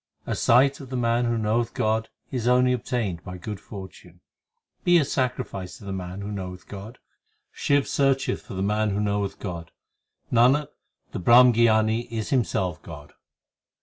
A sight of the man who knoweth God is only obtained by good fortune ; Be a sacrifice to the man who knoweth God ; Shiv searcheth for the man who knoweth God Nanak, the Brahmgyani is himself God.